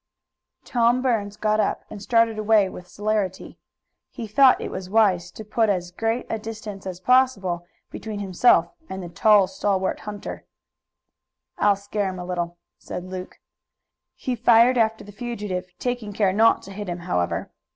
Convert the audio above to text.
Tom Burns got up and started away with celerity. He thought it wise to put as great a distance as possible between himself and the tall and stalwart hunter. "I'll scare him a little," said Luke. He fired after the fugitive, taking care not to hit him, however.